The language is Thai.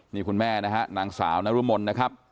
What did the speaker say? นี่คุณแม่นะฮะนางสาวนรมนนะครับ